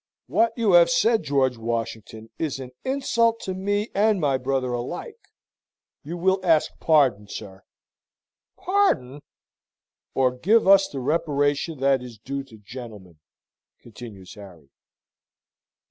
"What you have said, George Washington, is an insult to me and my brother alike. You will ask pardon, sir!" "Pardon?" "Or give us the reparation that is due to gentlemen," continues Harry.